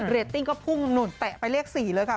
ตติ้งก็พุ่งหนุ่นแตะไปเลข๔เลยค่ะ